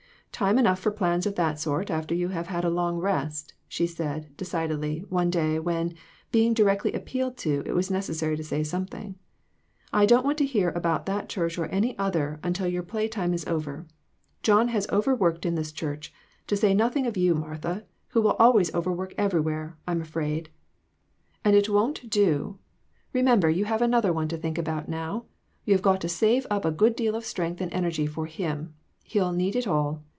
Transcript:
' "Time enough for plans of that sort after you have had a long rest," she said, decidedly, one day when, being directly appealed to, it was neces sary to say something. "I don't want to hear about that church or any other until your play time is over. John has overworked in this church, to say nothing of you, Martha, who will always overwork everywhere, I'm afraid ; and it INTUITIONS. 4O3 won't do. Remember you have another one to think about now, you have got to save up a good deal of strength and energy for him ; he'll need it all.